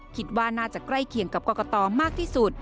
คิดว่าน่าจะใกล้เคียงกับกรกตมากที่สุด